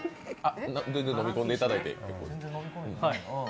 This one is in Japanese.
全然飲み込んでいただいて結構です。